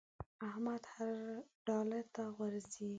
احمد هر ډاله ته غورځي.